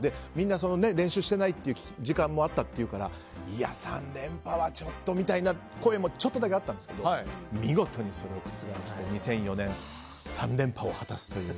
練習していない時間もあったというからいや、３連覇はちょっとみたいな声もちょっとだけあったんですけど見事にそれを覆して２００４年３連覇を果たすという。